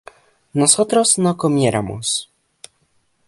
nosotros no comiéramos